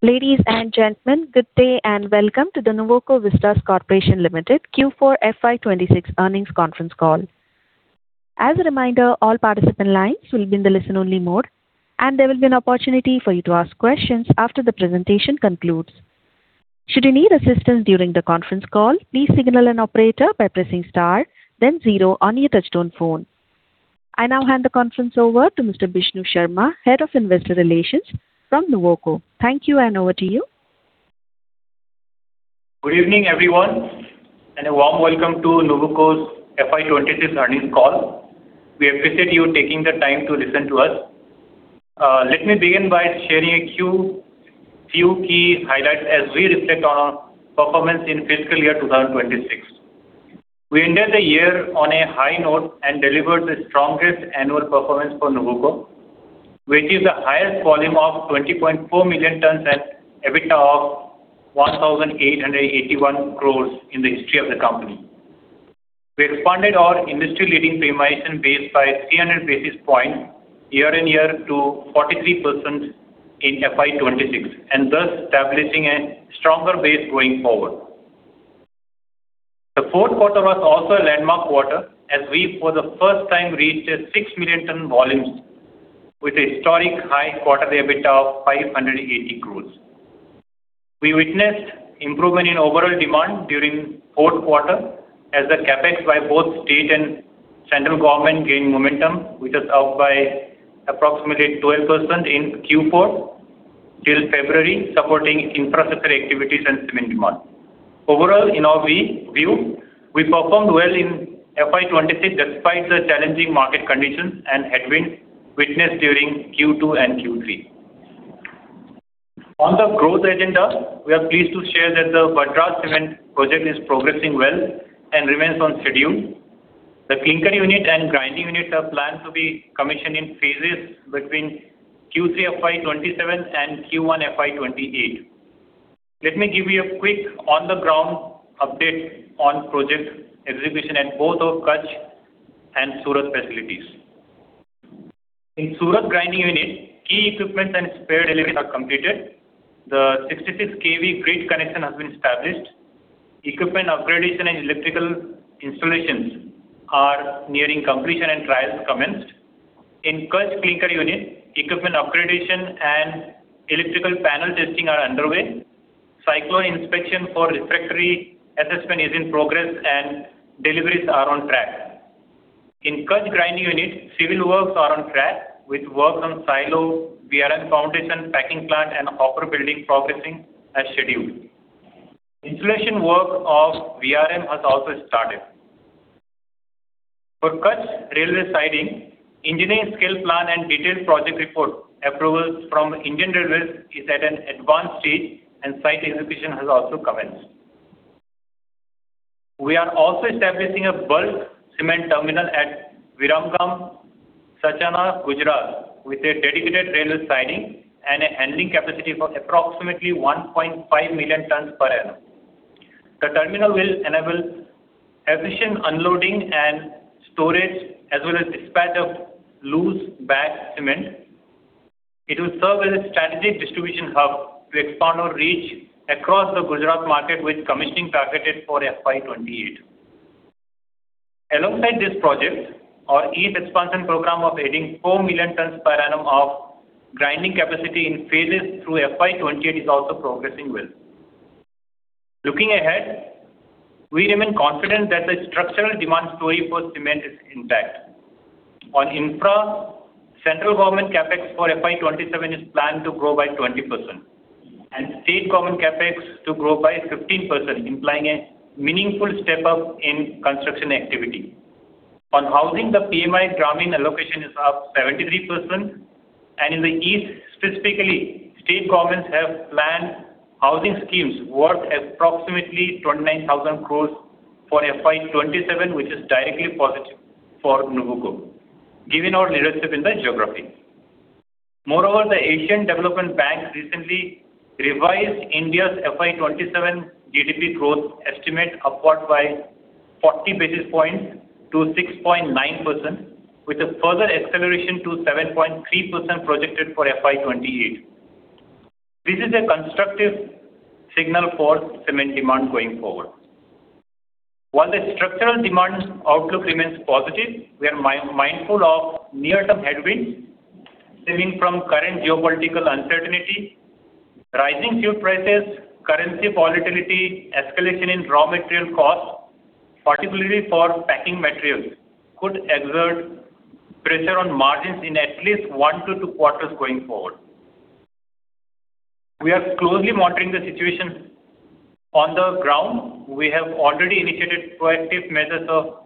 Ladies and gentlemen, good day and welcome to the Nuvoco Vistas Corporation Limited Q4 FY 2026 Earnings Conference Call. As a reminder, all participant lines will be in the listen-only mOde, and there will be an opportunity for you to ask questions after the presentation concludes. Should you need assistance during the conference call, please signal an operator by pressing star then zero on your touch-tone phone. I now hand the conference over to Mr. Bishnu Sharma, Head of Investor Relations from Nuvoco. Thank you, and over to you. Good evening, everyone, and a warm welcome to Nuvoco's FY 2026 Earnings Call. We appreciate you taking the time to listen to us. Let me begin by sharing a few key highlights as we reflect on our performance in fiscal year 2026. We ended the year on a high note and delivered the strongest annual performance for Nuvoco, which is the highest volume of 20.4 million tons and EBITDA of 1,881 crores in the history of the company. We expanded our industry-leading premiumization base by 300 basis points year-over-year to 43% in FY 2026, and thus establishing a stronger base going forward. The fourth quarter was also a landmark quarter as we, for the first time, reached 6 million tons volumes with a historic high quarter EBITDA of 580 crores. We witnessed improvement in overall demand during the fourth quarter as the CapEx by both state and central government gained momentum, which was up by approximately 12% in Q4 till February, supporting infrastructure activities and cement demand. Overall, in our view, we performed well in FY 2026 despite the challenging market conditions and headwinds witnessed during Q2 and Q3. On the growth agenda, we are pleased to share that the Vadraj cement project is progressing well and remains on schedule. The clinker unit and grinding unit are planned to be commissioned in phases between Q3 FY 2027 and Q1 FY 2028. Let me give you a quick on-the-ground update on project execution at both our Kutch and Surat facilities. In Surat grinding unit, key equipment and spare deliveries are completed. The 66 KV grid connection has been established. Equipment upgradation and electrical installations are nearing completion, and trials commenced. In Kutch clinker unit, equipment upgradation and electrical panel testing are underway. Cyclone inspection for refractory assessment is in progress and deliveries are on track. In Kutch grinding unit, civil works are on track with works on silos, VRM foundation, packing plant and hopper building progressing as scheduled. Installation work of VRM has also started. For Kutch railway siding, engineering scale plan and detailed project report approvals from Indian Railways is at an advanced stage and site execution has also commenced. We are also establishing a bulk cement terminal at Viramgam, Sachana, Gujarat with a dedicated railway siding and a handling capacity for approximately 1.5 million tons per annum. The terminal will enable efficient unloading and storage as well as dispatch of loose bagged cement. It will serve as a strategic distribution hub to expand our reach across the Gujarat market, with commissioning targeted for FY 2028. Alongside this project, our East expansion program of adding four million tons per annum of grinding capacity in phases through FY28 is also progressing well. Looking ahead, we remain confident that the structural demand story for cement is intact. On infra, central government CapEx for FY27 is planned to grow by 20% and state government CapEx to grow by 15%, implying a meaningful step up in construction activity. On housing, the PMAY drawing allocation is up seventy-three percent, and in the east specifically, state governments have planned housing schemes worth approximately twenty-nine thousand crores for FY27, which is directly positive for Nuvoco given our leadership in the geography. Moreover, the Asian Development Bank recently revised India's FY27 GDP growth estimate upward by forty basis points to six point nine percent with a further acceleration to seven point three percent projected for FY28. This is a constructive signal for cement demand going forward. While the structural demand outlook remains positive, we are mindful of near-term headwinds stemming from current geopolitical uncertainty, rising fuel prices, currency volatility, escalation in raw material costs, particularly for packing materials, could exert pressure on margins in at least 1-2 quarters going forward. We are closely monitoring the situation on the ground. We have already initiated proactive measures of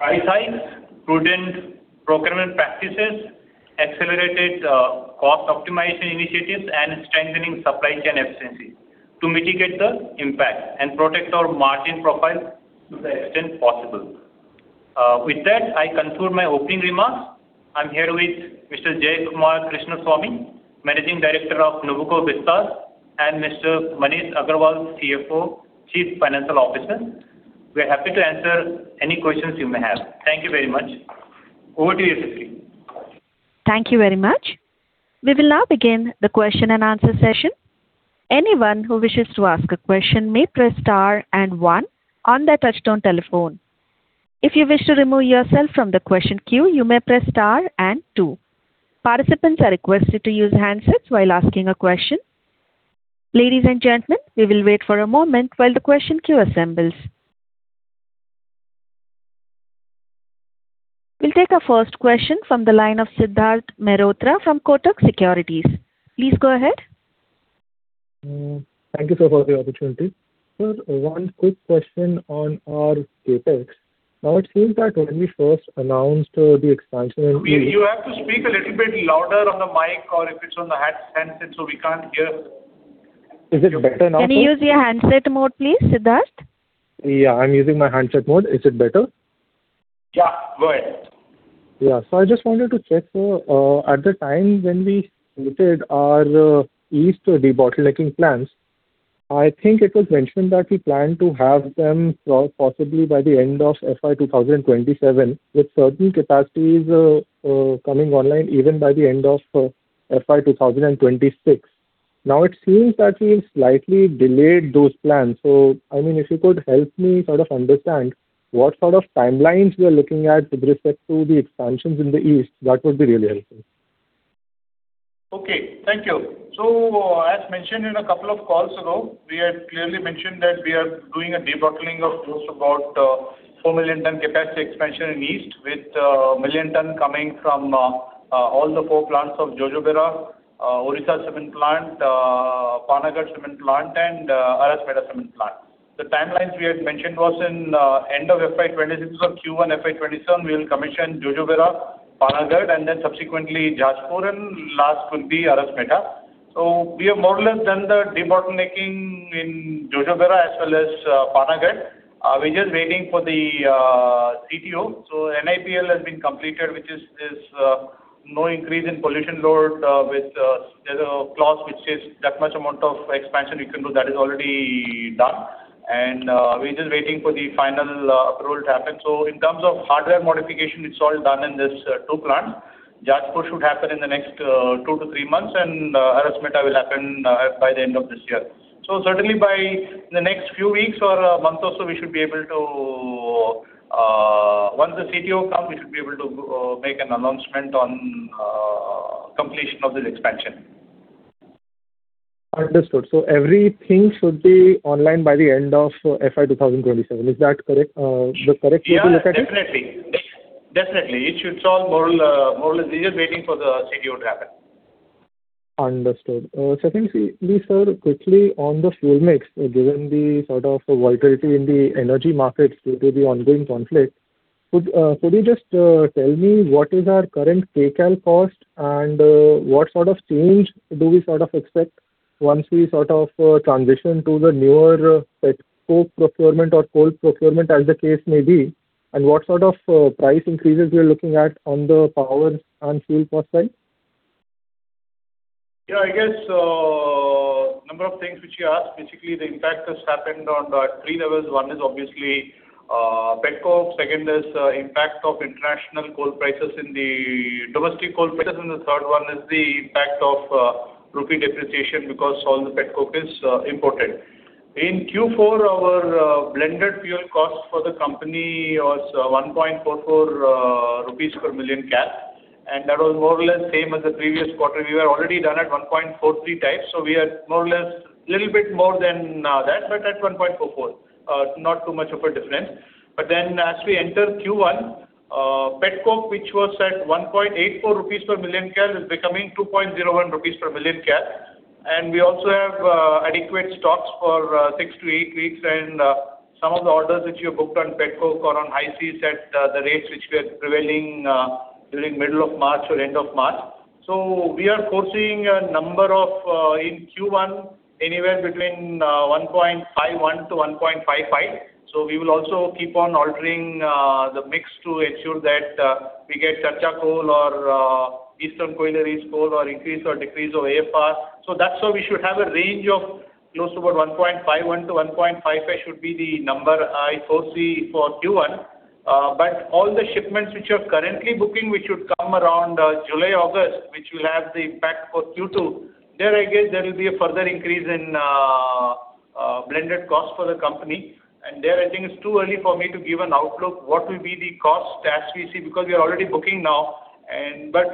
right-size, prudent procurement practices, accelerated cost optimization initiatives, and strengthening supply chain efficiencies to mitigate the impact and protect our margin profile to the extent possible. With that, I conclude my opening remarks. I'm here with Mr. Jayakumar Krishnaswamy, Managing Director of Nuvoco Vistas, and Mr. Maneesh Agrawal, CFO, Chief Financial Officer. We are happy to answer any questions you may have. Thank you very much. Over to you, Tiffany. Thank you very much. We will now begin the question and answer session. Anyone who wishes to ask a question may press star and one on their touch-tone telephone. If you wish to remove yourself from the question queue, you may press star and two. Participants are requested to use handsets while asking a question. Ladies and gentlemen, we will wait for a moment while the question queue assembles. We'll take our first question from the line of Siddharth Mehrotra from Kotak Securities. Please go ahead. Thank you, Sir, for the opportunity. Sir, one quick question on our CapEx. Now it seems that when we first announced the expansion. You have to speak a little bit louder on the mic or if it's on the handset. We can't hear. Is it better now, sir? Can you use your handset mode, please, Siddharth? Yeah, I'm using my handset mode. Is it better? Yeah, go ahead. Yeah. I just wanted to check, sir, at the time when we stated our East debottlenecking plans, I think it was mentioned that we planned to have them possibly by the end of FY 2027, with certain capacities coming online even by the end of FY 2026. Now it seems that we've slightly delayed those plans. If you could help me sort of understand what sort of timelines we are looking at with respect to the expansions in the East, that would be really helpful. Okay. Thank you. As mentioned in a couple of calls ago, we had clearly mentioned that we are doing a debottlenecking of close to about 4 million ton capacity expansion in East, with 1 million ton coming from all the four plants of Jojobera, Odisha cement plant, Panagarh cement plant, and Arasmeta cement plant. The timelines we had mentioned was in end of FY 2026 or Q1 FY 2027, we'll commission Jojobera, Panagarh, and then subsequently Jajpur, and last will be Arasmeta. We have more or less done the debottlenecking in Jojobera as well as Panagarh. We're just waiting for the CTO. NIPL has been completed, which is no increase in pollution load. There's a clause which says that much amount of expansion we can do, that is already done. We're just waiting for the final approval to happen. In terms of hardware modification, it's all done in these two plants. Jajpur should happen in the next two to three months, and Arasmeta will happen by the end of this year. Certainly by the next few weeks or a month or so, once the CTO comes, we should be able to make an announcement on completion of this expansion. Understood. Everything should be online by the end of FY 2027. Is that the correct way to look at it? Yeah, definitely. It should solve more or less. We're just waiting for the CTO to happen. Understood. Secondly, sir, quickly on the fuel mix, given the sort of volatility in the energy markets due to the ongoing conflict, could you just tell me what is our current Kcal cost and what sort of change do we expect once we transition to the newer pet coke procurement or coal procurement as the case may be? What sort of price increases we are looking at on the power and fuel cost side? I guess a number of things which you asked, basically the impact has happened on three levels. One is obviously pet coke. Second is impact of international coal prices in the domestic coal prices. The third one is the impact of rupee depreciation because all the pet coke is imported. In Q4, our blended fuel cost for the company was 1.44 rupees per million kcal, and that was more or less same as the previous quarter. We were already down at 1.43 types. We are more or less a little bit more than that. At 1.44, not too much of a difference. As we enter Q1, pet coke, which was at 1.84 rupees per million kcal, is becoming 2.01 rupees per million kcal. We also have adequate stocks for 6-8 weeks. Some of the orders which we have booked on pet coke are on high seas at the rates which were prevailing during middle of March or end of March. We are foreseeing a number of, in Q1, anywhere between 1.51-1.55. We will also keep on altering the mix to ensure that we get Charcha Coal or Eastern Coalfields coal or increase or decrease of AFR. That's why we should have a range of close to about 1.51-1.55 should be the number I foresee for Q1. All the shipments which are currently booking, which should come around July, August, which will have the impact for Q2, there again, there will be a further increase in blended cost for the company. There, I think it's too early for me to give an outlook, what will be the cost as we see, because we are already booking now.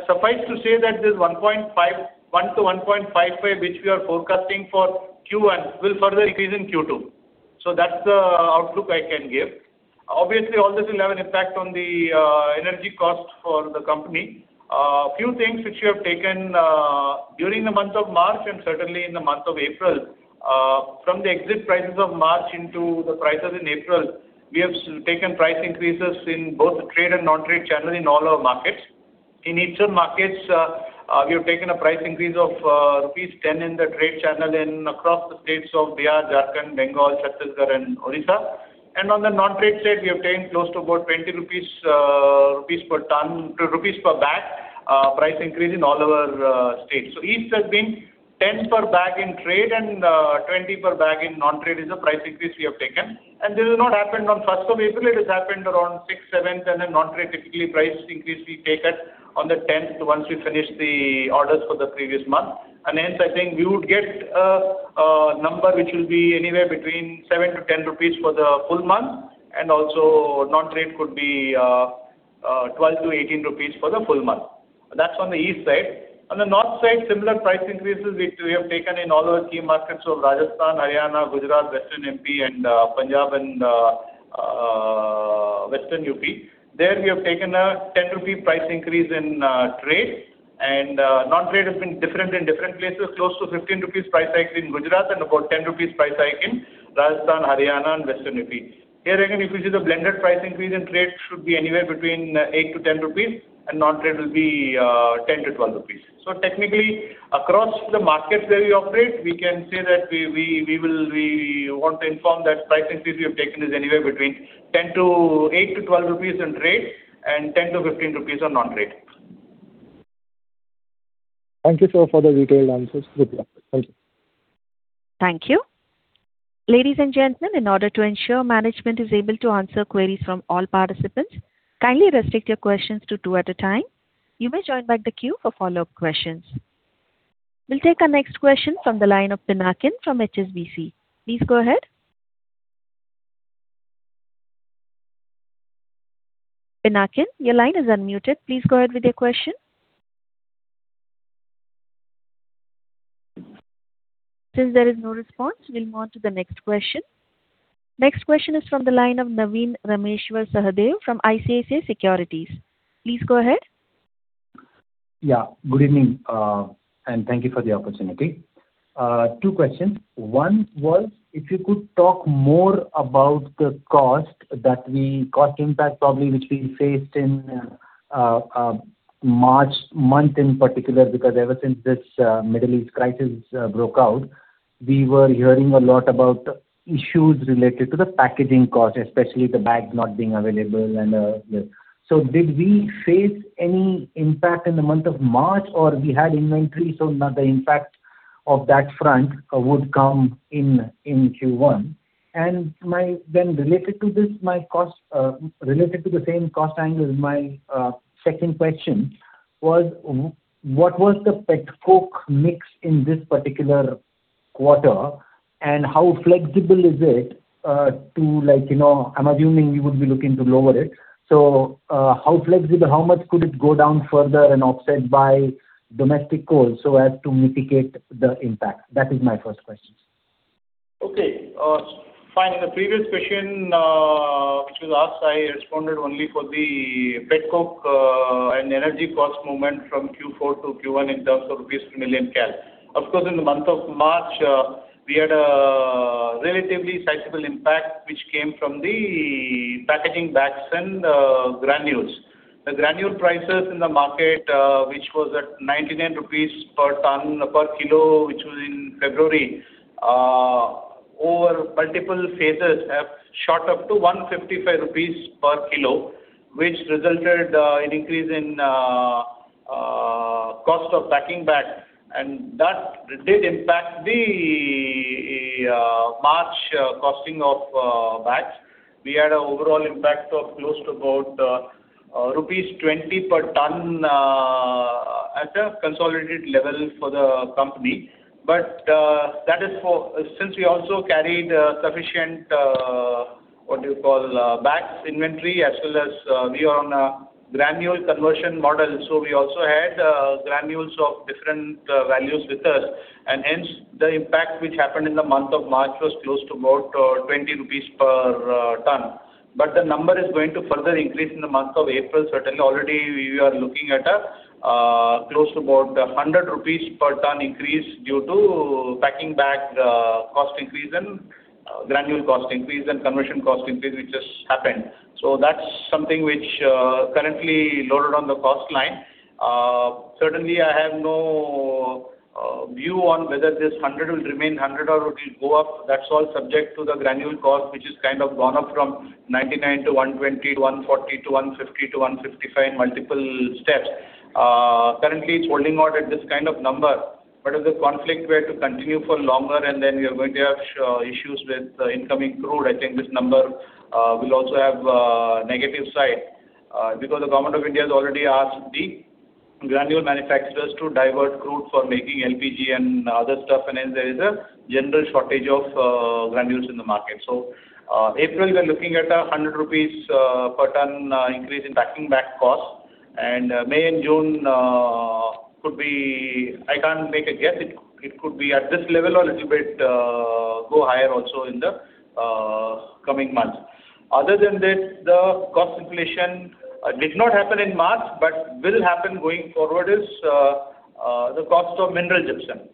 Suffice to say that this 1.51-1.55, which we are forecasting for Q1, will further increase in Q2. That's the outlook I can give. Obviously, all this will have an impact on the energy cost for the company. A few things which we have taken during the month of March and certainly in the month of April, from the exit prices of March into the prices in April, we have taken price increases in both the trade and non-trade channel in all our markets. In eastern markets, we have taken a price increase of rupees 10 in the trade channel and across the states of Bihar, Jharkhand, Bengal, Chhattisgarh, and Odisha. On the non-trade side, we have taken close to about 20 rupees per bag price increase in all our states. East has been 10 per bag in trade and 20 per bag in non-trade is the price increase we have taken. This has not happened on 1st of April. It has happened around sixth, seventh, and then non-trade, typically, price increase we take that on the 10th, once we finish the orders for the previous month. Hence, I think we would get a number which will be anywhere between 7-10 rupees for the full month, and also non-trade could be 12-18 rupees for the full month. That's on the East side. On the North side, similar price increases we have taken in all our key markets of Rajasthan, Haryana, Gujarat, Western M.P., and Punjab and Western U.P. There we have taken a 10 rupee price increase in trade, and non-trade has been different in different places, close to 15 rupees price hike in Gujarat and about 10 rupees price hike in Rajasthan, Haryana, and Western U.P. Here again, if you see, the blended price increase in trade should be anywhere between 8-10 rupees, and non-trade will be 10-12 rupees. Technically, across the markets where we operate, we can say that we want to inform that price increase we have taken is anywhere between 8-12 rupees in trade and 10-15 rupees on non-trade. Thank you, sir, for the detailed answers. Good luck. Thank you. Thank you. Ladies and gentlemen, in order to ensure Management is able to answer queries from all participants, kindly restrict your questions to two at a time. You may join back the queue for follow-up questions. We'll take our next question from the line of Pinakin from HSBC. Please go ahead. Pinakin, your line is unmuted. Please go ahead with your question. Since there is no response, we'll move on to the next question. Next question is from the line of Navin Sahadeo from ICICI Securities. Please go ahead. Yeah. Good evening. Thank you for the opportunity. Two questions. One was if you could talk more about the cost impact probably which we faced in March month in particular because ever since this Middle East crisis broke out, we were hearing a lot about issues related to the packaging cost, especially the bag not being available. Did we face any impact in the month of March or we had inventory, so now the impact of that front would come in Q1? Related to the same cost angle, my second question was what was the pet coke mix in this particular quarter and how flexible is it? I'm assuming you would be looking to lower it. How flexible, how much could it go down further and offset by domestic coal so as to mitigate the impact? That is my first question. Okay. Fine. The previous question which was asked, I responded only for the pet coke and energy cost movement from Q4 to Q1 in terms of rupees per million cal. Of course, in the month of March, we had a relatively sizable impact, which came from the packaging bags and granules. The granule prices in the market, which was at 99 rupees per kilo, which was in February, over multiple phases have shot up to 155 rupees per kilo, which resulted in increase in cost of packing bag. That did impact the March costing of bags. We had an overall impact of close to about rupees 20 per ton at a consolidated level for the company. Since we also carried sufficient bags inventory as well as we are on a granule conversion model, so we also had granules of different values with us, and hence the impact which happened in the month of March was close to about 20 rupees per ton. The number is going to further increase in the month of April, certainly. Already, we are looking at a close to about 100 rupees per ton increase due to packing bag cost increase and granule cost increase and conversion cost increase which has happened. That's something which currently loaded on the cost line. Certainly, I have no view on whether this 100 will remain 100 or it will go up. That's all subject to the granule cost, which has kind of gone up from ninety-nine to one hundred and twenty, one hundred and forty to one hundred and fifty to one hundred and fifty-five in multiple steps. Currently, it's holding on at this kind of number, but if the conflict were to continue for longer and then we are going to have issues with incoming crude, I think this number will also have a negative side. Because the government of India has already asked the granule manufacturers to divert crude for making LPG and other stuff, and hence there is a general shortage of granules in the market. So April, we are looking at a Rs.100 per ton increase in packing bag cost, and May and June could be-- I can't make a guess. It could be at this level or a little bit go higher also in the coming months. Other than this, the cost inflation did not happen in March, but will happen going forward is the cost of mineral gypsum.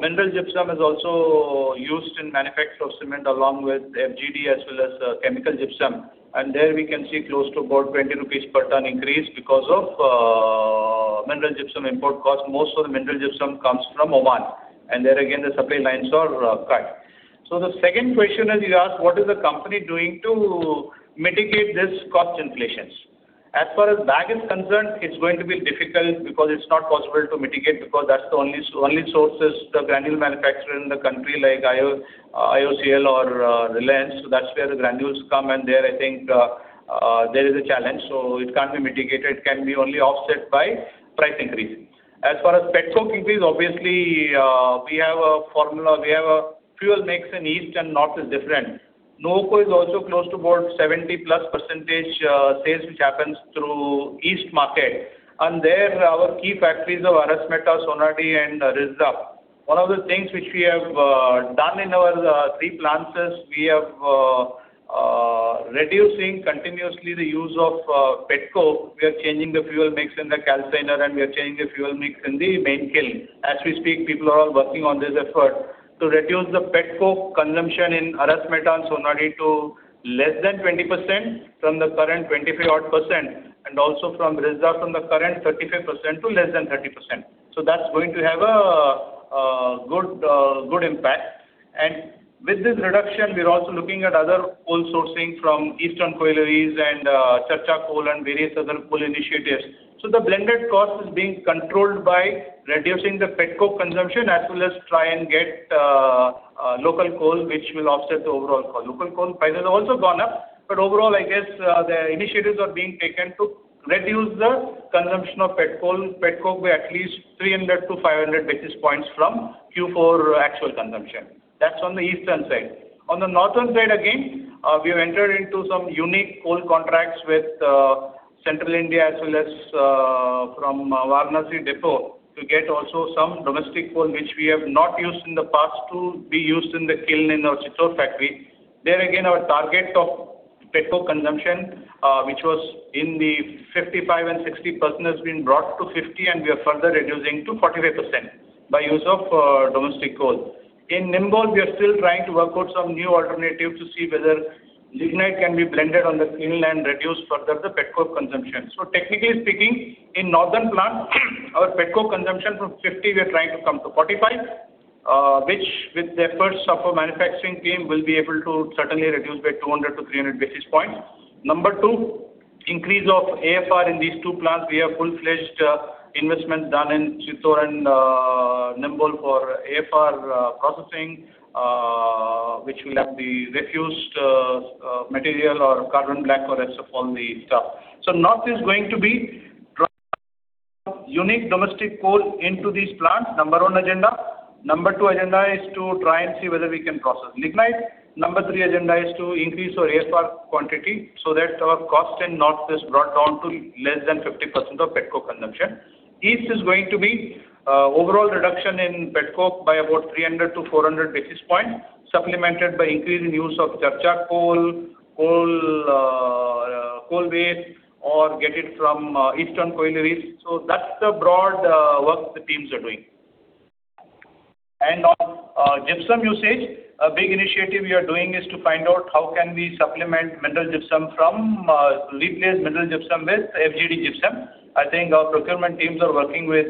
Mineral gypsum is also used in manufacture of cement along with FGD as well as chemical gypsum. There we can see close to about 20 rupees per ton increase because of mineral gypsum import cost. Most of the mineral gypsum comes from Oman, and there again, the supply lines are cut. The second question that you asked, what is the company doing to mitigate this cost inflations? As far as bag is concerned, it's going to be difficult because it's not possible to mitigate because that's the only sources, the granule manufacturer in the country like IOCL or Reliance. That's where the granules come, and there I think there is a challenge. It can't be mitigated. It can be only offset by price increase. As far as pet coke increase, obviously, we have a formula. Fuel mix in East and North is different. Nuvoco is also close to about 70%+ sales which happens through East market. There, our key factories are Arasmeta, Sonadih, and Risda. One of the things which we have done in our three plants is reducing continuously the use of pet coke. We are changing the fuel mix in the calciner, and we are changing the fuel mix in the main kiln. As we speak, people are all working on this effort to reduce the pet coke consumption in Arasmeta and Sonadih to less than 20% from the current 23-odd %, and also from Risda from the current 35% to less than 30%. That's going to have a good impact. With this reduction, we're also looking at other coal sourcing from Eastern Coalfields and Charcha Coal and various other coal initiatives. The blended cost is being controlled by reducing the pet coke consumption, as well as try and get local coal, which will offset the overall coal. Local coal price has also gone up, but overall, I guess, the initiatives are being taken to reduce the consumption of pet coke by at least 300 basis points-500 basis points from Q4 actual consumption. That's on the eastern side. On the northern side, again, we have entered into some unique coal contracts with Central India as well as from Varanasi depot to get also some domestic coal, which we have not used in the past to be used in the kiln in our Chittor factory. There, again, our target of pet coke consumption, which was in the 55% and 60%, has been brought to 50%, and we are further reducing to 45% by use of domestic coal. In Neemuch, we are still trying to work out some new alternative to see whether lignite can be blended on the kiln and reduce further the pet coke consumption. Technically speaking, in northern plant, our pet coke consumption from 50%, we are trying to come to 45%, which, with the efforts of our manufacturing team, will be able to certainly reduce by 200-300 basis points. Number two, increase of AFR in these two plants. We have full-fledged investment done in Chittor and Neemuch for AFR processing, which will have the refused material or carbon black or etc., all the stuff. So north is going to be unique domestic coal into these plants, number one agenda. Number two agenda is to try and see whether we can process lignite. Number three agenda is to increase our AFR quantity so that our cost in north is brought down to less than 50% of pet coke consumption. East is going to be overall reduction in pet coke by about 300-400 basis points, supplemented by increase in use of Charcha coal waste, or get it from Eastern Coalfields. So that's the broad work the teams are doing. On gypsum usage, a big initiative we are doing is to find out how can we replace mineral gypsum with FGD gypsum. I think our procurement teams are working with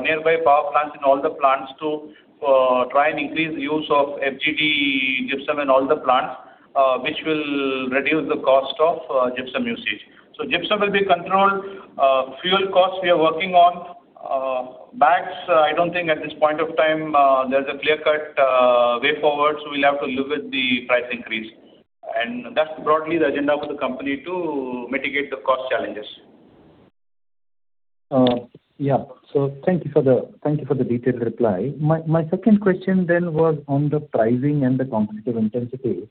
nearby power plants and all the plants to try and increase the use of FGD gypsum in all the plants, which will reduce the cost of gypsum usage. Gypsum will be controlled. Fuel costs, we are working on. Bags, I don't think at this point of time, there's a clear-cut way forward, so we'll have to live with the price increase. That's broadly the agenda for the company to mitigate the cost challenges. Yeah. Thank you for the detailed reply. My second question then was on the pricing and the competitive intensity.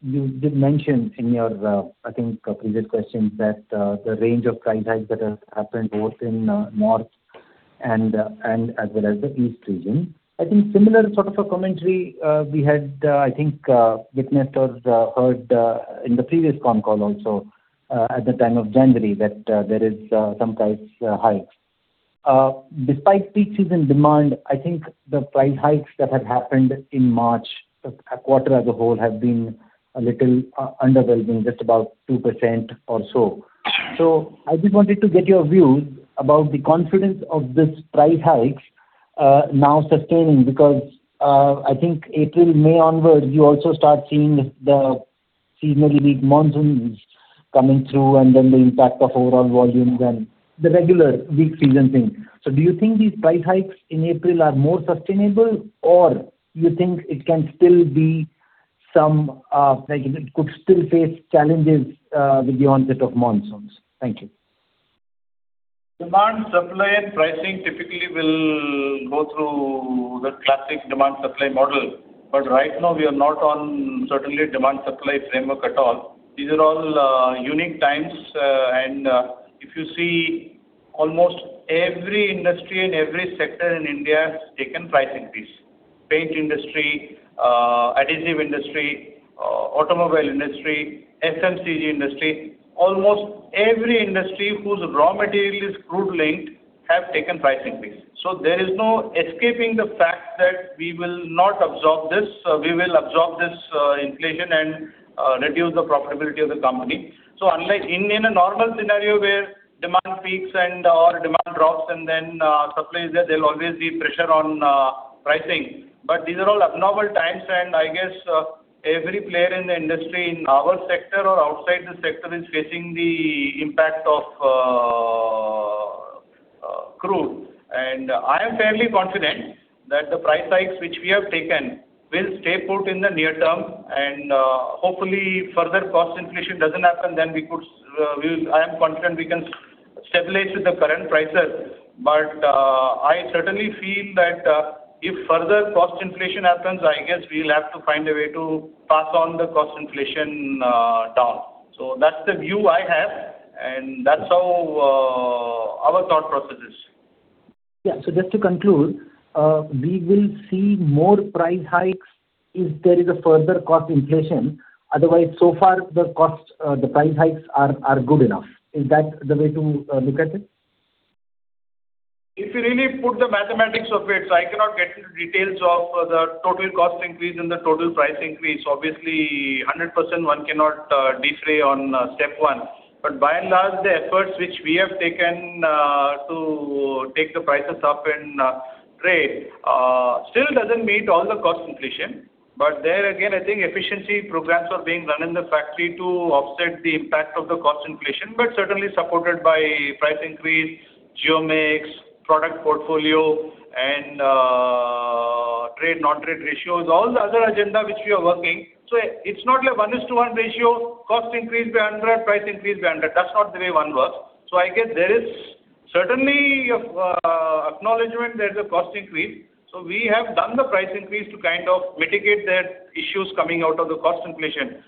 You did mention in your, I think, previous questions that the range of price hikes that have happened both in North and as well as the East region. I think similar sort of a commentary we had, I think, witnessed or heard in the previous con call also, at the time of January, that there is some price hikes. Despite peak season demand, I think the price hikes that have happened in March, a quarter as a whole, have been a little underwhelming, just about 2% or so. I just wanted to get your views about the confidence of this price hike now sustaining, because I think April, May onwards, you also start seeing the seasonally weak monsoons coming through and then the impact of overall volumes and the regular weak season thing. Do you think these price hikes in April are more sustainable, or you think it could still face challenges with the onset of monsoons? Thank you. Demand, supply, and pricing typically will go through the classic demand-supply model. Right now, we are not on certainly demand-supply framework at all. These are all unique times, and if you see, almost every industry and every sector in India has taken price increase, paint industry, additive industry, automobile industry, FMCG industry. Almost every industry whose raw material is crude-linked have taken price increase. There is no escaping the fact that we will not absorb this. We will absorb this inflation and reduce the profitability of the company. In a normal scenario where demand peaks and or demand drops and then supply is there'll always be pressure on pricing. These are all abnormal times, and I guess every player in the industry, in our sector or outside the sector, is facing the impact of crude. I am fairly confident that the price hikes which we have taken will stay put in the near term and hopefully further cost inflation doesn't happen. I am confident we can stabilize with the current prices. I certainly feel that if further cost inflation happens, I guess we'll have to find a way to pass on the cost inflation down. That's the view I have and that's how our thought process is. Yeah. Just to conclude, we will see more price hikes if there is a further cost inflation. Otherwise, so far, the price hikes are good enough. Is that the way to look at it? If you really put the mathematics of it, I cannot get into details of the total cost increase and the total price increase. Obviously, 100% one cannot defray on step one. By and large, the efforts which we have taken to take the prices up in trade still doesn't meet all the cost inflation. There again, I think efficiency programs are being run in the factory to offset the impact of the cost inflation, but certainly supported by price increase, geo mix, product portfolio and trade, non-trade ratios, all the other agenda which we are working. It's not like 1/1 ratio, cost increase by 100, price increase by 100. That's not the way one works. I guess there is certainly acknowledgment there's a cost increase. We have done the price increase to kind of mitigate the issues coming out of the cost inflation.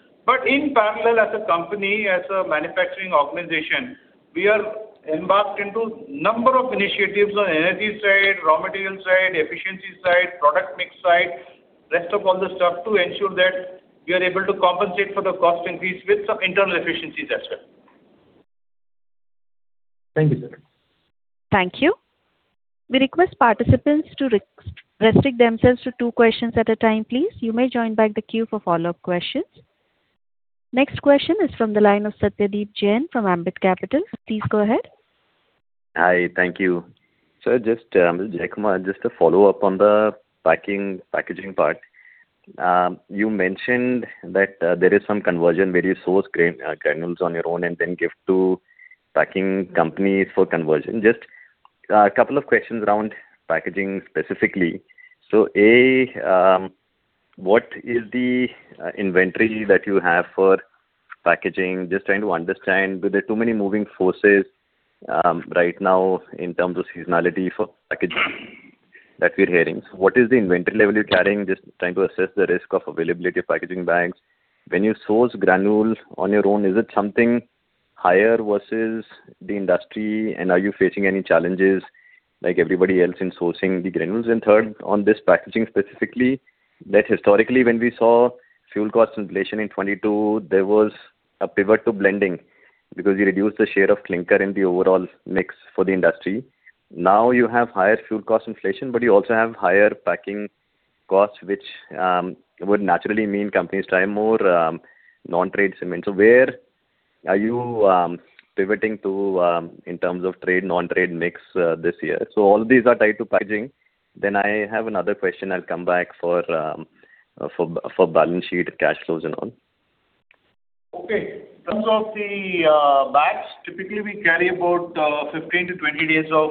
In parallel, as a company, as a manufacturing organization, we are embarked into number of initiatives on energy side, raw material side, efficiency side, product mix side, rest of all the stuff to ensure that we are able to compensate for the cost increase with some internal efficiencies as well. Thank you, sir. Thank you. We request participants to restrict themselves to two questions at a time, please. You may join back the queue for follow-up questions. Next question is from the line of Satyadeep Jain from Ambit Capital. Please go ahead. Hi. Thank you. Sir, just Ambit here. Just to follow up on the packaging part. You mentioned that there is some conversion where you source granules on your own and then give to packing companies for conversion. Just a couple of questions around packaging specifically. A, what is the inventory that you have for packaging? Just trying to understand, were there too many moving forces right now in terms of seasonality for packaging that we're hearing? What is the inventory level you're carrying? Just trying to assess the risk of availability of packaging bags. When you source granules on your own, is it something higher versus the industry and are you facing any challenges like everybody else in sourcing the granules? Third, on this packaging specifically, that historically when we saw fuel cost inflation in 2022, there was a pivot to blending because you reduced the share of clinker in the overall mix for the industry. Now you have higher fuel cost inflation, but you also have higher packing costs, which would naturally mean companies try more non-trade cement. Where are you pivoting to in terms of trade, non-trade mix this year? All these are tied to packaging. I have another question I'll come back for balance sheet, cash flows, and on. Okay. In terms of the bags, typically we carry about 15-20 days of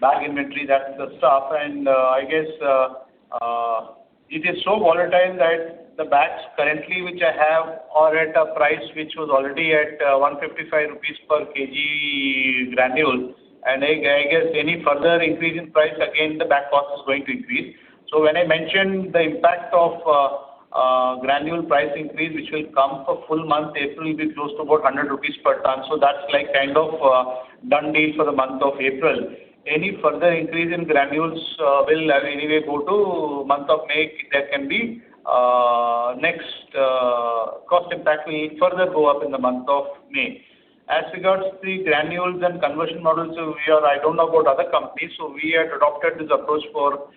bag inventory. That's the stuff. And I guess it is so volatile that the bags currently, which I have are at a price which was already at RS155 per kg granules. And I guess any further increase in price, again, the bag cost is going to increase. So when I mentioned the impact of granule price increase, which will come for full month, April will be close to about RS100 per ton. So that's like kind of a done deal for the month of April. Any further increase in granules will anyway go to month of May. There can be next cost impact will further go up in the month of May. As regards the granules and conversion models, I don't know about other companies. We had adopted this approach for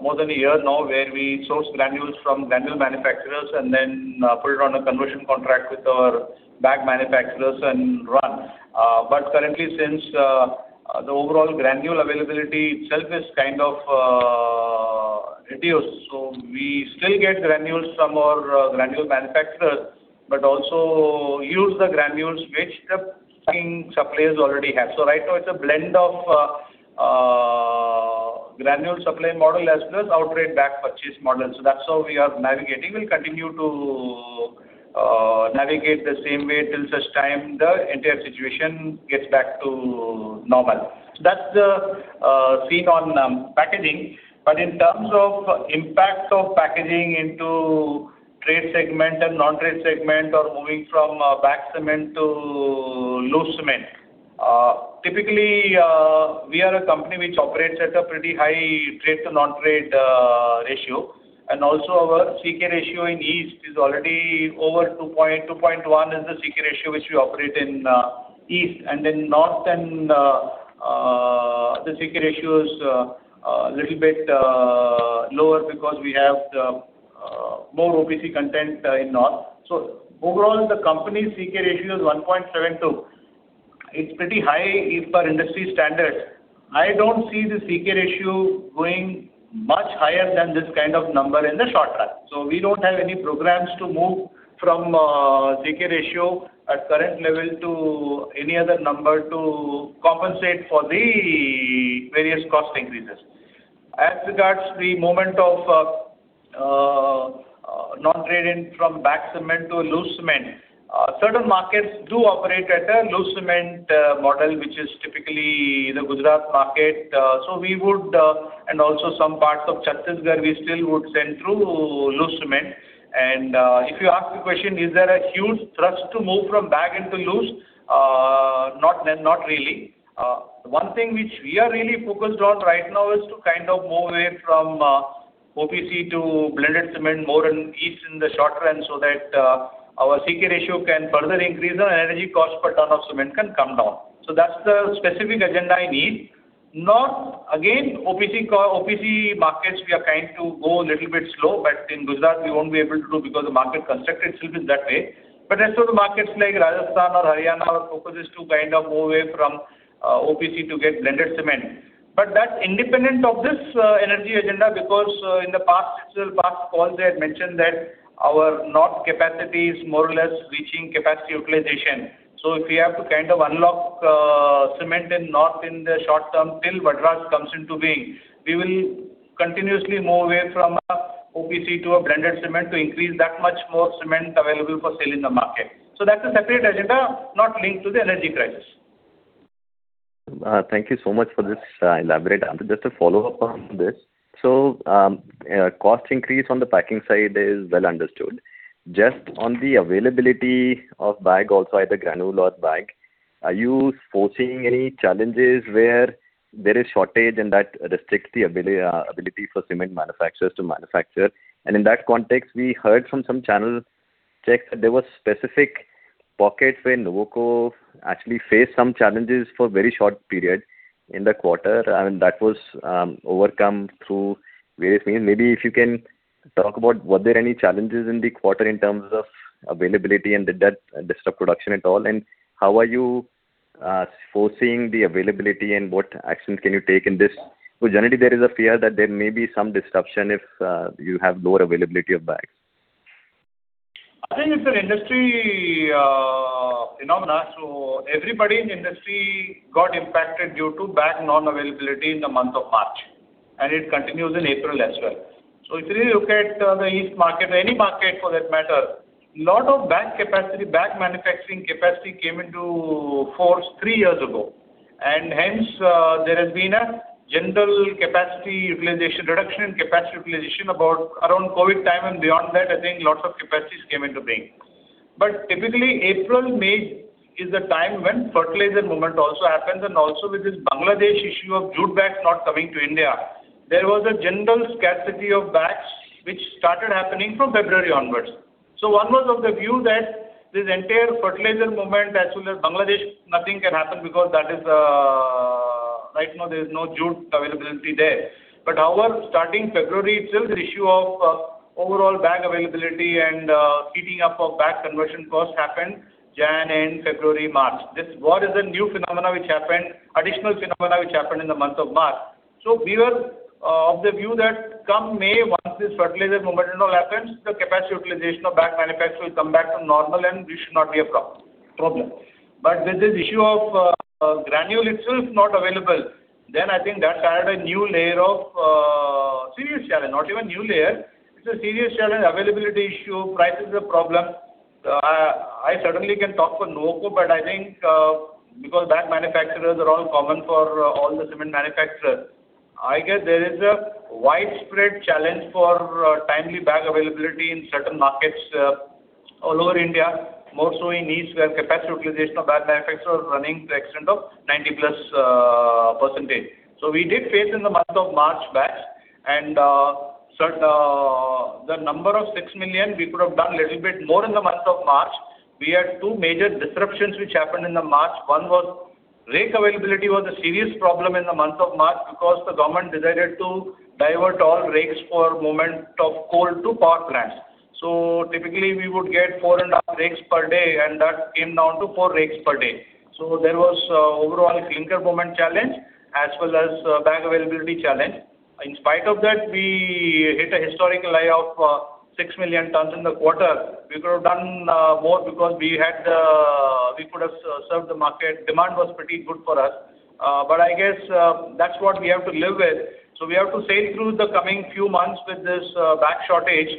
more than a year now where we source granules from granule manufacturers and then put it on a conversion contract with our bag manufacturers and run. Currently, since the overall granule availability itself is kind of reduced, so we still get granules from our granule manufacturers, but also use the granules which the suppliers already have. Right now it's a blend of granule supply model as well as outright bag purchase model. That's how we are navigating. We'll continue to navigate the same way till such time the entire situation gets back to normal. That's the scene on packaging. In terms of impacts of packaging into trade segment and non-trade segment or moving from bag cement to loose cement, typically we are a company which operates at a pretty high trade to non-trade ratio. And also our CK ratio in east is already over 2.1 is the CK ratio which we operate in east and then north and the CK ratio is a little bit lower because we have the More OPC content in north. So overall, the company's CK ratio is 1.72. It's pretty high as per industry standards. I don't see the CK ratio going much higher than this kind of number in the short run. So we don't have any programs to move from CK ratio at current level to any other number to compensate for the various cost increases. As regards the movement of non-trade cement from bag cement to loose cement, certain markets do operate at a loose cement model, which is typically the Gujarat market, and also some parts of Chhattisgarh, we still would send through loose cement. If you ask the question, is there a huge thrust to move from bag into loose? Not really. One thing which we are really focused on right now is to move away from OPC to blended cement more in each, in the short run, so that our CK ratio can further increase and our energy cost per ton of cement can come down. That's the specific agenda I need. North, again, OPC markets, we are trying to go a little bit slow, but in Gujarat, we won't be able to do because the market constructed itself in that way. As to the markets like Rajasthan or Haryana, our focus is to move away from OPC to get blended cement. That's independent of this energy agenda because in the past calls, I had mentioned that our North capacity is more or less reaching capacity utilization. If we have to unlock cement in North in the short term till Vadraj comes into being, we will continuously move away from OPC to a blended cement to increase that much more cement available for sale in the market. That's a separate agenda, not linked to the energy crisis. Thank you so much for this elaborate answer. Just a follow-up on this, cost increase on the packing side is well understood. Just on the availability of bag, also either granule or bag, are you foreseeing any challenges where there is shortage and that restricts the ability for cement manufacturers to manufacture? In that context, we heard from some channel checks that there were specific pockets where Nuvoco actually faced some challenges for a very short period in the quarter, and that was overcome through various means. Maybe if you can talk about, were there any challenges in the quarter in terms of availability and did that disturb production at all? How are you foreseeing the availability and what actions can you take in this? Because generally there is a fear that there may be some disruption if you have lower availability of bags. I think it's an industry phenomenon, so everybody in the industry got impacted due to bag non-availability in the month of March. It continues in April as well. If you look at the East market or any market for that matter, a lot of bag capacity, bag manufacturing capacity, came into force three years ago. Hence, there has been a general reduction in capacity utilization. Around COVID time and beyond that, I think lots of capacities came into being. Typically, April, May is the time when fertilizer movement also happens, and also with this Bangladesh issue of jute bags not coming to India, there was a general scarcity of bags which started happening from February onwards. One was of the view that this entire fertilizer movement, as well as Bangladesh, nothing can happen because right now there is no jute availability there. However, starting February itself, the issue of overall bag availability and heating up of bag conversion costs happened January and February, March. This war is a new phenomenon, additional phenomenon, which happened in the month of March. We were of the view that come May, once this fertilizer movement happens, the capacity utilization of bag manufacturers will come back to normal and this should not be a problem. With this issue of granule itself not available, then I think that added a new layer of serious challenge, not even new layer, it's a serious challenge. Availability issue, price is a problem. I certainly can talk for Nuvoco, but I think, because bag manufacturers are all common for all the cement manufacturers. I guess there is a widespread challenge for timely bag availability in certain markets all over India, more so in East, where capacity utilization of bag manufacturers are running to extent of 90%+. We did face in the month of March bags and the number of six million, we could have done a little bit more in the month of March. We had two major disruptions which happened in the March. One was rake availability was a serious problem in the month of March because the government decided to divert all rakes for movement of coal to power plants. Typically we would get four and a half rakes per day, and that came down to four rakes per day. There was overall clinker movement challenge as well as bag availability challenge. In spite of that, we hit a historical high of 6 million tons in the quarter. We could have done more because we could have served the market. Demand was pretty good for us. I guess that's what we have to live with. We have to sail through the coming few months with this bag shortage.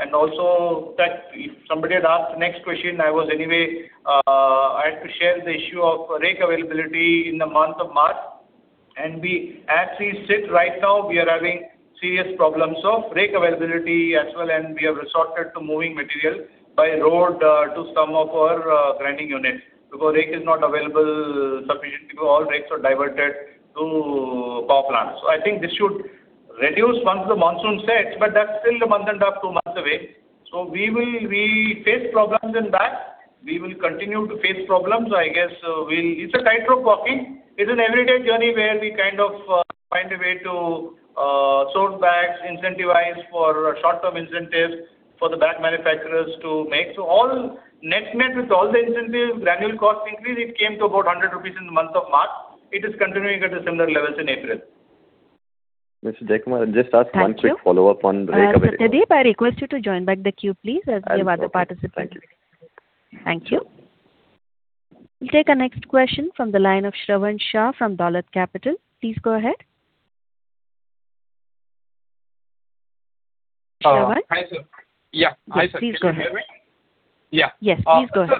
If somebody had asked the next question, I had to share the issue of rake availability in the month of March. As we sit right now, we are having serious problems of rake availability as well, and we have resorted to moving material by road to some of our grinding units because rake is not available sufficiently because all rakes are diverted to power plants. I think this should reduce once the monsoon sets, but that's still a month and a half, two months away. We face problems in bags. We will continue to face problems. I guess it's a tightrope walking. It's an everyday journey where we kind of find a way to source bags, incentivize for short-term incentives for the bag manufacturers to make. All net-net with all the incentives, granular cost increase, it came to about 100 rupees in the month of March. It is continuing at similar levels in April. Mr. Krishnaswamy, I'll just ask one quick follow-up. Thank you. Satyadeep, I request you to join back the queue, please, as we have other participants. Thank you. Thank you. We'll take our next question from the line of Shravan Shah from Dolat Capital. Please go ahead. Shravan? Hi, sir. Yeah. Hi, sir. Yes, please go ahead. Can you hear me? Yeah. Yes, please go ahead.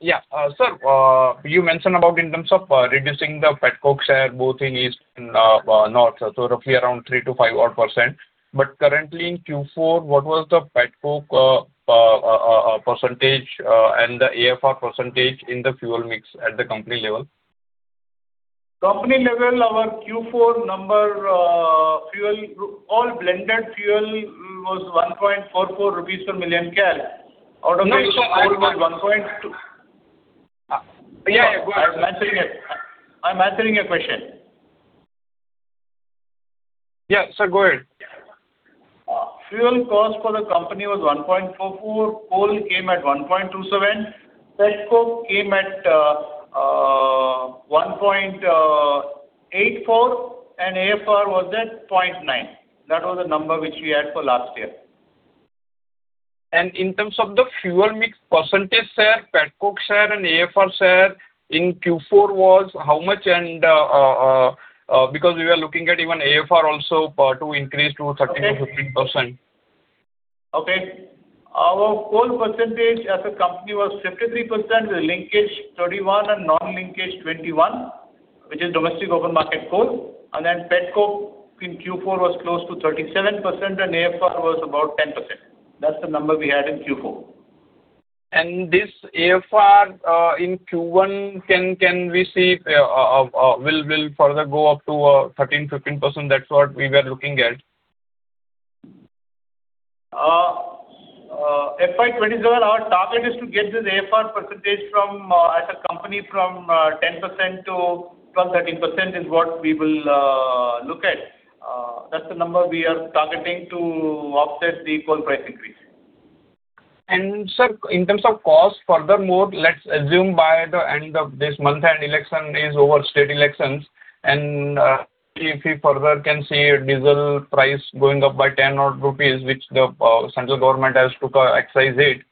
Yeah. Sir, you mentioned about in terms of reducing the pet coke share both in east and north, so roughly around 3%-5% odd. Currently in Q4, what was the pet coke % and the AFR % in the fuel mix at the company level? Company level, our Q4 number, all blended fuel was 1.44 rupees per million kcal, out of which coal was 1. No, sir. Yeah, go ahead. I'm answering your question. Yeah. Sir, go ahead. Fuel cost for the company was 1.44, coal came at 1.27, pet coke came at 1.84, and AFR was at 0.9. That was the number which we had for last year. In terms of the fuel mix percentage share, pet coke share and AFR share in Q4 was how much? Because we were looking at even AFR also to increase to 13%-15%. Okay. Our coal percentage as a company was 53% with linkage 31% and non-linkage 21%, which is domestic open market coal. Pet coke in Q4 was close to 37%, and AFR was about 10%. That's the number we had in Q4. This AFR, in Q1, can we see will further go up to 13%-15%? That's what we were looking at. FY 2021, our target is to get this AFR percentage as a company from 10% to 12%-13%, is what we will look at. That's the number we are targeting to offset the coal price increase. Sir, in terms of cost, furthermore, let's assume by the end of this month and election is over, state elections, and if we further can see diesel price going up by 10-odd rupees, which the central government has to excise it.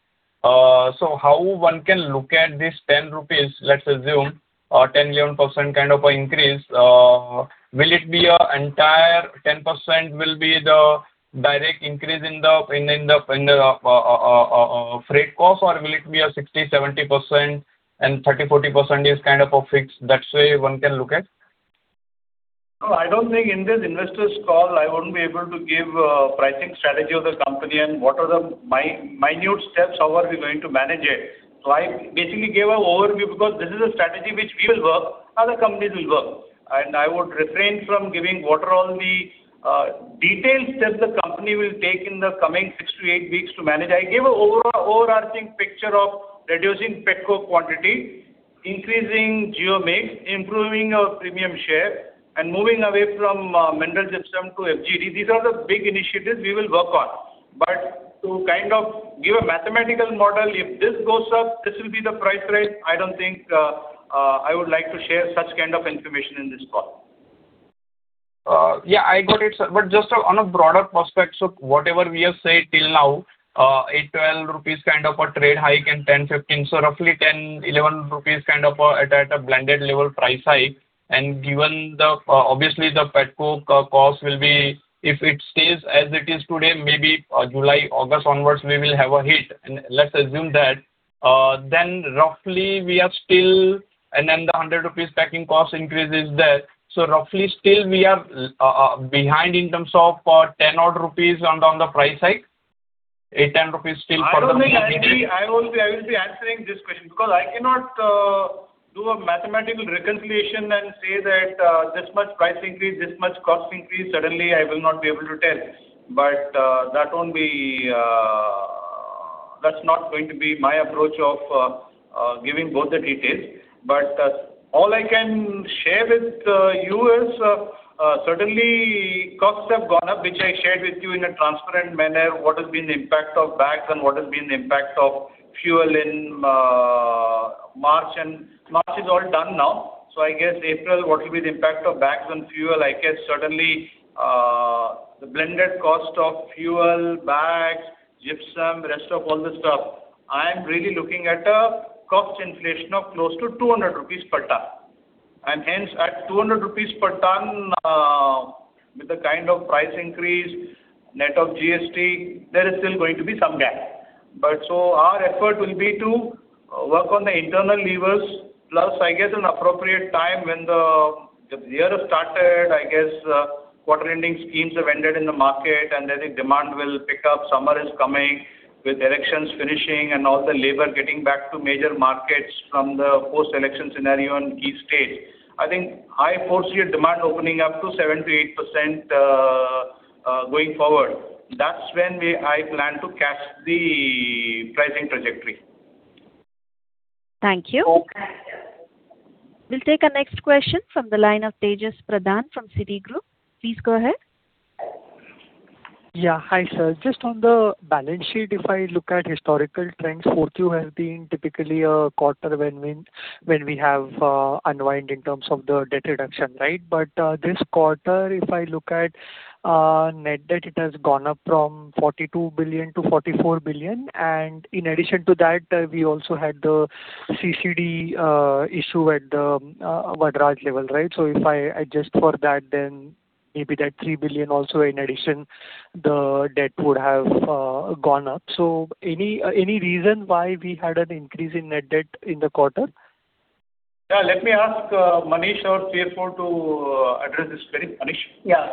How one can look at this 10 rupees, let's assume, or 10-odd % kind of a increase? Will it be an entire 10% will be the direct increase in the freight cost, or will it be a 60%-70% and 30%-40% is kind of a fixed, that way one can look at? No, I don't think in this investors call I would be able to give a pricing strategy of the company and what are the minute steps, how are we going to manage it. I basically gave an overview because this is a strategy which we will work, other companies will work. I would refrain from giving what are all the details that the company will take in the coming six to eight weeks to manage. I gave overarching picture of reducing pet coke quantity, increasing geo mix, improving our premium share, and moving away from mineral gypsum to FGD. These are the big initiatives we will work on. To kind of give a mathematical model, if this goes up, this will be the price rise. I don't think I would like to share such kind of information in this call. Yeah, I got it, sir. Just on a broader prospect, whatever we have said till now, 8-12 rupees kind of a trade hike and 10-15. Roughly 10-11 rupees kind of at a blended level price hike. Given, obviously, the pet coke cost, if it stays as it is today, maybe July, August onwards, we will have a hit. Let's assume that. The 100 rupees packing cost increase is there. Roughly still we are behind in terms of INR 10 odd on the price hike. INR 8-INR 10 still for the. I don't think I will be answering this question because I cannot do a mathematical reconciliation and say that this much price increase, this much cost increase. Suddenly, I will not be able to tell. That's not going to be my approach of giving both the details. All I can share with you is, certainly costs have gone up, which I shared with you in a transparent manner, what has been the impact of bags and what has been the impact of fuel in March, and March is all done now. I guess April, what will be the impact of bags on fuel? I guess certainly, the blended cost of fuel, bags, gypsum, rest of all the stuff, I am really looking at a cost inflation of close to 200 rupees per ton. Hence at 200 rupees per ton, with the kind of price increase, net of GST, there is still going to be some gap. Our effort will be to work on the internal levers. Plus, I guess an appropriate time when the year have started, I guess, quarter-ending schemes have ended in the market, and I think demand will pick up. Summer is coming with elections finishing and also labor getting back to major markets from the post-election scenario in key states. I think I foresee a demand opening up to 7%-8%. Going forward, that's when I plan to catch the pricing trajectory. Thank you. We'll take our next question from the line of Tejas Pradhan from Citigroup. Please go ahead. Yeah. Hi, sir. Just on the balance sheet, if I look at historical trends, Q4 has been typically a quarter when we have unwind in terms of the debt reduction. This quarter, if I look at net debt, it has gone up from 42 billion-44 billion, and in addition to that, we also had the CCD issue at the Vadraj level. If I adjust for that, then maybe that 3 billion also in addition, the debt would have gone up. Any reason why we had an increase in net debt in the quarter? Yeah. Let me ask Maneesh, our CFO, to address this query. Maneesh? Yeah.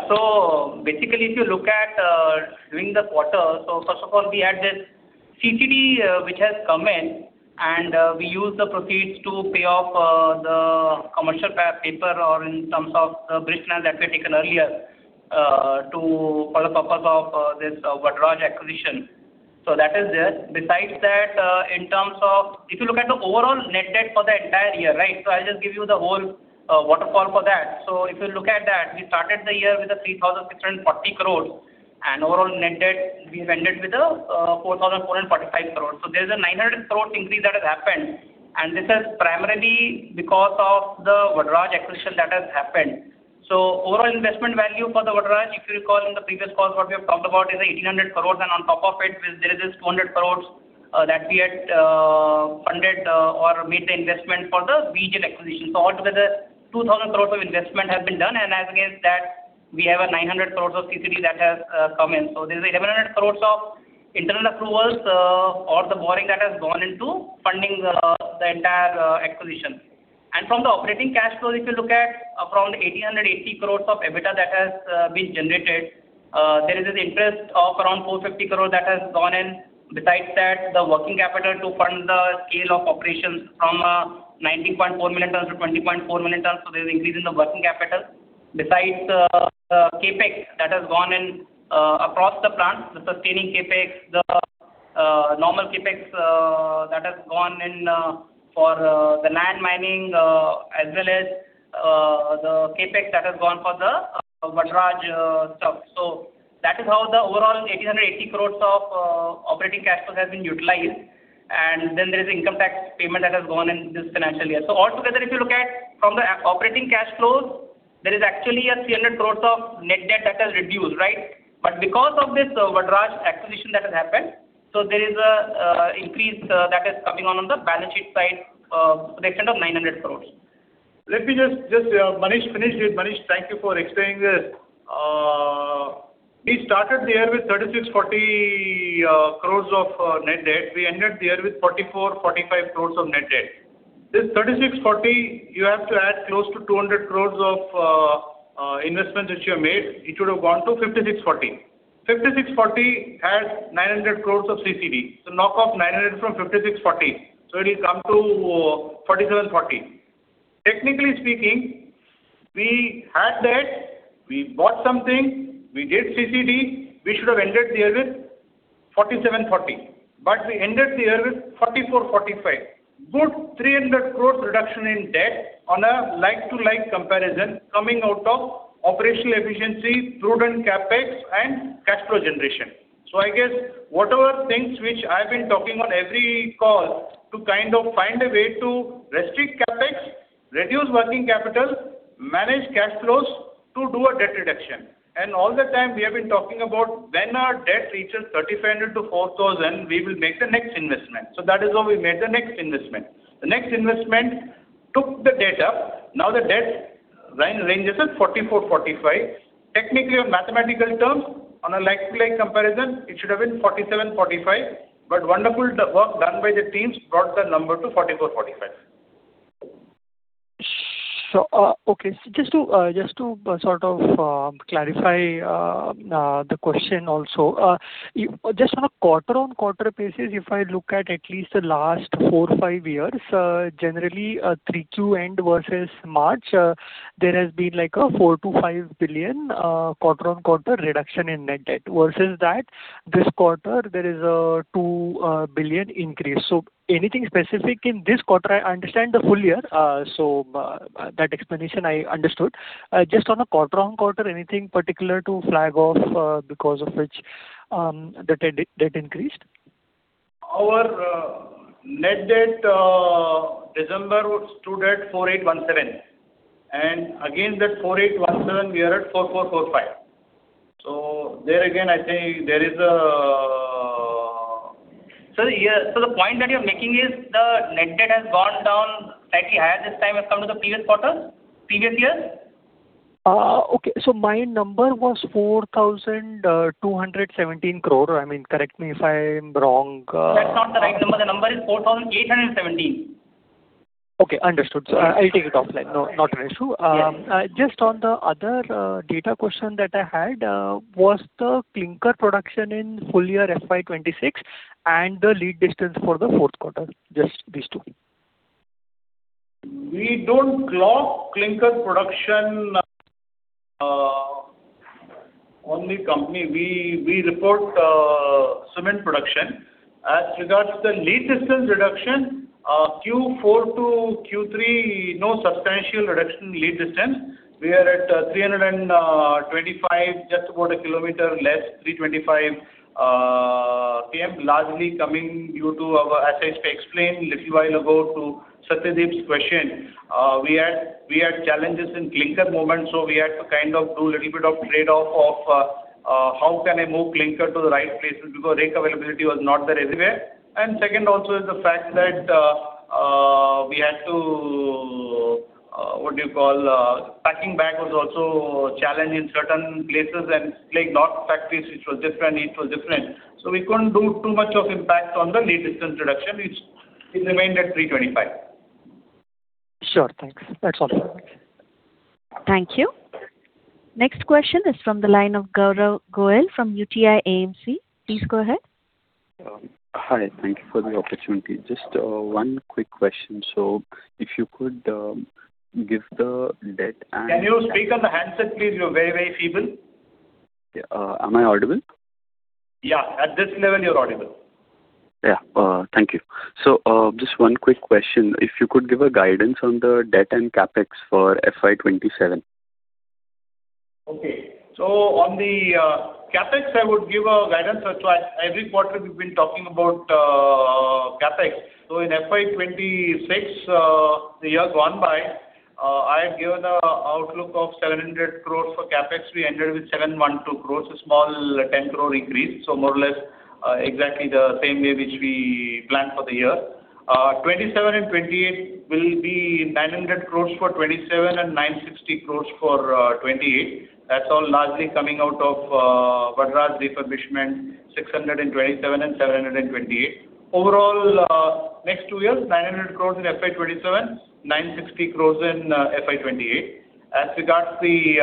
Basically, if you look at during the quarter, so first of all, we had this CCD which has come in and we use the proceeds to pay off the commercial paper or in terms of the bridge loan that we had taken earlier for the purpose of this Vadraj acquisition. That is there. Besides that, if you look at the overall net debt for the entire year, I'll just give you the whole waterfall for that. If you look at that, we started the year with 3,640 crores and overall net debt we've ended with 4,445 crores. There's a 900 crores increase that has happened, and this is primarily because of the Vadraj acquisition that has happened. Overall investment value for the Vadraj, if you recall in the previous calls what we have talked about is 1,800 crores and on top of it there is this 200 crores that we had funded or made the investment for the V-Gen acquisition. Altogether 2,000 crores of investment has been done and as against that we have 900 crores of CCD that has come in. There's 1,100 crores of internal accruals or the borrowing that has gone into funding the entire acquisition. From the operating cash flow if you look at around 1,880 crores of EBITDA that has been generated, there is this interest of around 450 crore that has gone in. Besides that, the working capital to fund the scale of operations from 19.4 million tons-20.4 million tons, there's increase in the working capital. Besides the CapEx that has gone in across the plants, the sustaining CapEx, the normal CapEx that has gone in for the land mining as well as the CapEx that has gone for the Vadraj stuff, that is how the overall 1,880 crores of operating cash flow has been utilized, and then there is income tax payment that has gone in this financial year. Altogether, if you look at from the operating cash flows, there is actually a 300 crores of net debt that has reduced. Because of this Vadraj acquisition that has happened, so there is increase that is coming on the balance sheet side to the extent of 900 crores. Maneesh, finish it. Maneesh, thank you for explaining this. We started the year with 3,640 crores of net debt. We ended the year with 4,445 crores of net debt. This 3,640 you have to add close to 200 crores of investment which you have made. It should have gone to 5,640. 5,640 had 900 crores of CCD. Knock off 900 from 5,640. It will come to 4,740. Technically speaking, we had debt, we bought something, we did CCD, we should have ended the year with 4,740 but we ended the year with 4,445, good 300 crores reduction in debt on a like-to-like comparison coming out of operational efficiency, prudent CapEx and cash flow generation. I guess whatever things which I've been talking on every call to kind of find a way to restrict CapEx, reduce working capital, manage cash flows to do a debt reduction. All the time we have been talking about when our debt reaches 3,500-4,000, we will make the next investment. That is how we made the next investment. The next investment took the debt up. Now the debt ranges at 4,445. Technically, on mathematical terms on a like-to-like comparison, it should have been 4,745, but wonderful work done by the teams brought the number to 4,445. Okay. Just to sort of clarify the question also. Just on a quarter-on-quarter basis if I look at least the last four or five years, generally 3Q end versus March, there has been like a 4 billion-5 billion quarter-on-quarter reduction in net debt versus that this quarter there is a 2 billion increase. Anything specific in this quarter? I understand the full year. That explanation I understood. Just on a quarter-on-quarter anything particular to flag off because of which the debt increased? Our net debt December stood at 4,817 and against that 4,817 we are at 4,445. Sir, the point that you're making is the net debt has gone down slightly higher this time as compared to the previous years? Okay. My number was 4,217 crore. Correct me if I'm wrong. That's not the right number. The number is 4,817. Okay, understood. I'll take it offline. Not an issue. Yes. Just on the other data question that I had, was the clinker production in full year FY 2026 and the lead distance for the fourth quarter, just these two? We don't clock clinker production, only company. We report cement production. As regards to the lead distance reduction, Q4-Q3, no substantial reduction in lead distance. We are at 325, just about a kilometer less, 325 km, largely coming due to, as I explained a little while ago to Satyadeep Jain's question, we had challenges in clinker movement, so we had to kind of do a little bit of trade-off of how can I move clinker to the right places because rake availability was not there everywhere. Second also is the fact that packing bag was also a challenge in certain places and like North factories, which was different, need was different. We couldn't do too much of impact on the lead distance reduction. It remained at 325. Sure. Thanks. That's all. Thank you. Next question is from the line of Gaurav Goel from UTI AMC. Please go ahead. Hi. Thank you for the opportunity. Just one quick question, if you could give the debt? Can you speak on the handset, please? You're very feeble. Yeah. Am I audible? Yeah. At this level, you're audible. Yeah. Thank you. Just one quick question. If you could give a guidance on the debt and CapEx for FY 2027? On the CapEx, I would give a guidance. Every quarter we've been talking about CapEx. In FY 2026, the year gone by, I had given a outlook of 700 crore for CapEx. We ended with 712 crore, a small 10 crore increase. More or less exactly the same way which we planned for the year. 2027 and 2028 will be 900 crore for 2027 and 960 crore for 2028. That's all largely coming out of Vadraj's refurbishment, 600 in 2027 and 700 in 2028. Overall, next two years, 900 crore in FY 2027, 960 crore in FY 2028. As regards the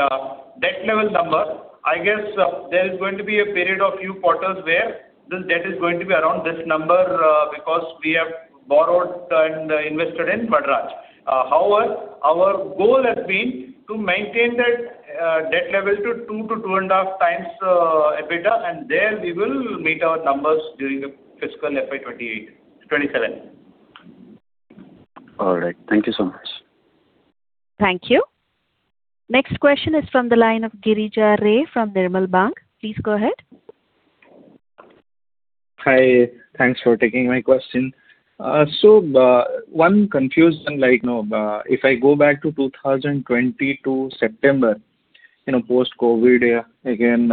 debt level number, I guess there is going to be a period of few quarters where the debt is going to be around this number, because we have borrowed and invested in Vadraj. However, our goal has been to maintain that debt level to two to two and a half times EBITDA, and there we will meet our numbers during the fiscal FY 2027. All right. Thank you so much. Thank you. Next question is from the line of Girija Ray from Nirmal Bang. Please go ahead. Hi. Thanks for taking my question. One confusion, if I go back to 2022, September, post-COVID again,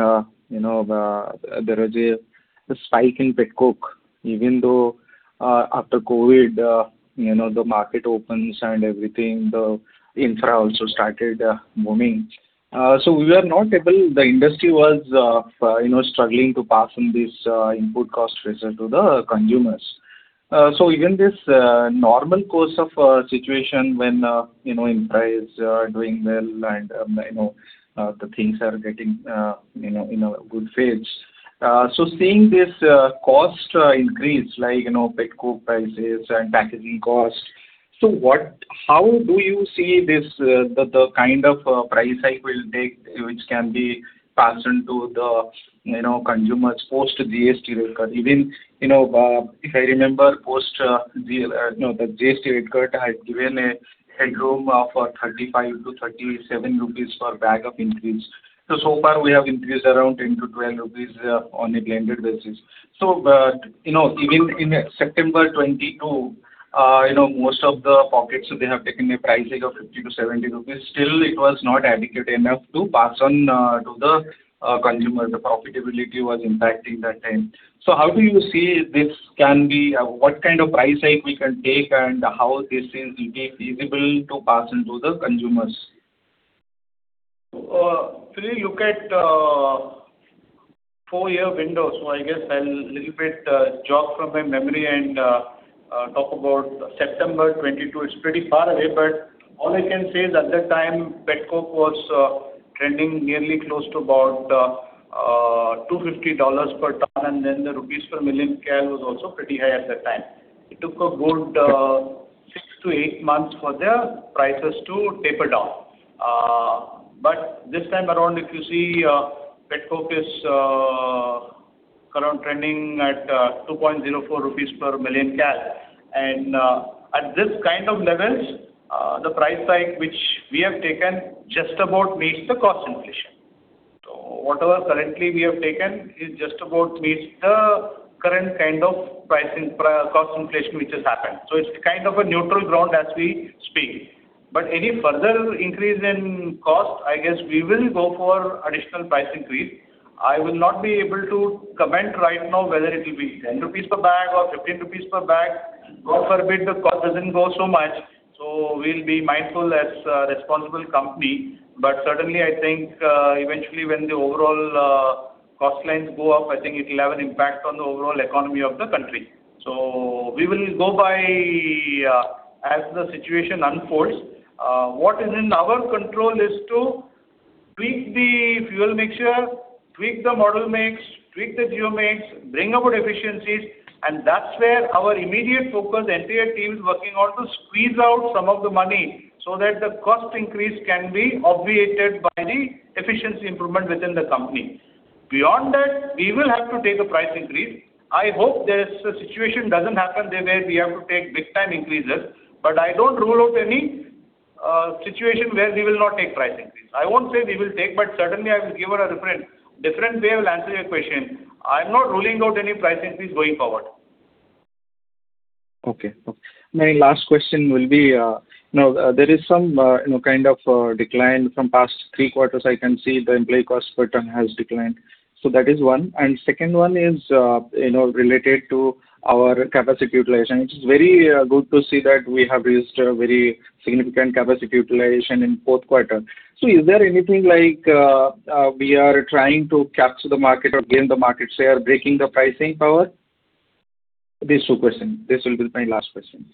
there is a spike in pet coke, even though after COVID, the market opens and everything, the infra also started moving. The industry was struggling to pass on this input cost pressure to the consumers. Even this normal course of situation when enterprise are doing well and the things are getting in a good phase, seeing this cost increase, like pet coke prices and packaging costs, how do you see the kind of price hike will take, which can be passed on to the consumers post GST rate cut? Even, if I remember post the GST rate cut had given a headroom of 35-37 rupees per bag of increase. So far we have increased around 10-12 rupees on a blended basis. Even in September 2022, most of the pockets they have taken a price hike of 50-70 rupees. Still, it was not adequate enough to pass on to the consumer. The profitability was impacting that time. How do you see this can be, what kind of price hike we can take and how is it feasible to pass on to the consumers? If you look at a four-year window. I guess I'll little bit jog from my memory and talk about September 2022. It's pretty far away, but all I can say is at that time, pet coke was trending nearly close to about $250 per ton. The rupees per million Kcal was also pretty high at that time. It took a good six to eight months for their prices to taper down. This time around, if you see, pet coke is currently trending at INR 2.04 per million Kcal. At this kind of levels, the price hike which we have taken just about meets the cost inflation. Whatever currently we have taken, it just about meets the current kind of cost inflation which has happened. It's kind of a neutral ground as we speak. Any further increase in cost, I guess we will go for additional price increase. I will not be able to comment right now whether it will be 10 rupees per bag or 15 rupees per bag. God forbid, the cost doesn't go so much, so we'll be mindful as a responsible company. Certainly I think, eventually when the overall cost lines go up, I think it'll have an impact on the overall economy of the country. We will go by as the situation unfolds. What is in our control is to tweak the fuel mixture, tweak the model mix, tweak the geo mix, bring about efficiencies, and that's where our immediate focus, the entire team is working on to squeeze out some of the money so that the cost increase can be obviated by the efficiency improvement within the company. Beyond that, we will have to take a price increase. I hope this situation doesn't happen where we have to take big-time increases. I don't rule out any situation where we will not take price increase. I won't say we will take, but certainly I will give a different way I will answer your question. I'm not ruling out any price increase going forward. Okay. My last question will be, there is some kind of decline from past three quarters. I can see the employee cost per ton has declined. That is one. Second one is related to our capacity utilization. It is very good to see that we have reached a very significant capacity utilization in fourth quarter. Is there anything like, we are trying to capture the market or gain the market share, breaking the pricing power? These two questions. This will be my last questions.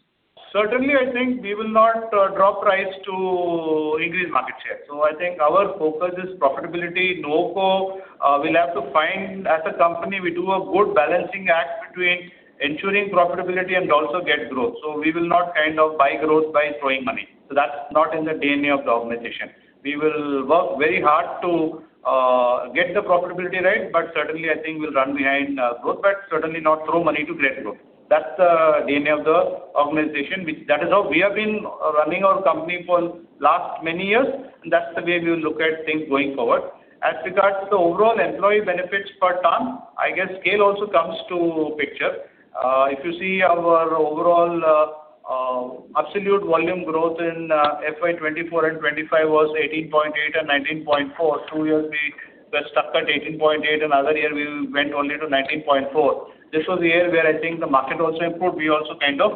Certainly, I think we will not drop price to increase market share. I think our focus is profitability. Nuvoco will have to find, as a company, we do a good balancing act between ensuring profitability and also get growth. We will not kind of buy growth by throwing money. That's not in the DNA of the organization. We will work very hard to get the profitability right, but certainly, I think we'll run behind growth, but certainly not throw money to create growth. That's the DNA of the organization. That is how we have been running our company for last many years, and that's the way we look at things going forward. As regards to the overall employee benefits per ton, I guess scale also comes to picture. If you see our overall absolute volume growth in FY 2024 and 2025 was 18.8 and 19.4. Two years we were stuck at 18.8 and other year we went only to 19.4. This was a year where I think the market also improved. We also kind of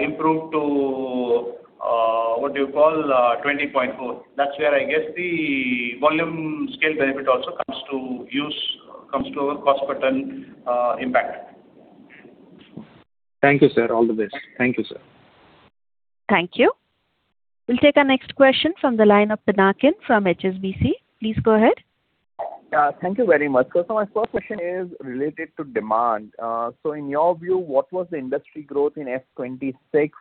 improved to 20.4. That's where I guess the volume scale benefit also comes to use, comes to our cost per ton impact. Thank you, sir. All the best. Thank you, sir. Thank you. We'll take our next question from the line of Pinakin from HSBC. Please go ahead. Thank you very much. My first question is related to demand. In your view, what was the industry growth in FY 2026?